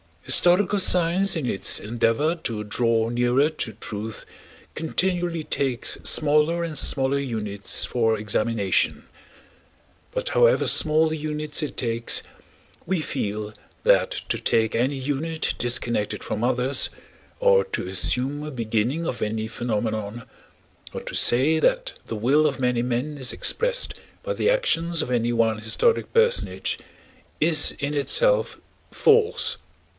Historical science in its endeavor to draw nearer to truth continually takes smaller and smaller units for examination. But however small the units it takes, we feel that to take any unit disconnected from others, or to assume a beginning of any phenomenon, or to say that the will of many men is expressed by the actions of any one historic personage, is in itself false.